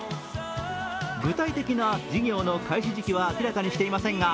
具体的な事業の開始時期は明らかにしていませんが